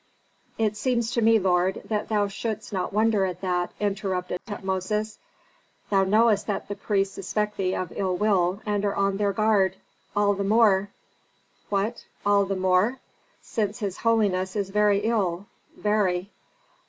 "It seems to me, lord, that thou shouldst not wonder at that," interrupted Tutmosis. "Thou knowest that the priests suspect thee of ill will, and are on their guard. All the more " "What, all the more?" "Since his holiness is very ill. Very."